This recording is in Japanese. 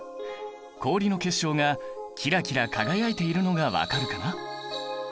氷の結晶がキラキラ輝いているのが分かるかな？